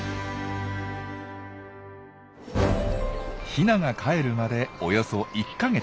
ヒナがかえるまでおよそ１か月。